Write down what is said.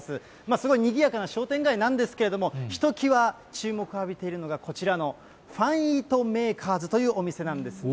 すごいにぎやかな商店街なんですけれども、ひときわ注目浴びているのが、こちらのファンイートメイカーズというお店なんですね。